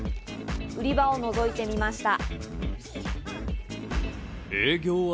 売り場を覗いてみました。